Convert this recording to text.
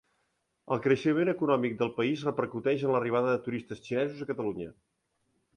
El creixement econòmic del país repercuteix en l'arribada de turistes xinesos a Catalunya.